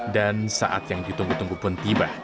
dan saat yang ditunggu tunggu pun tiba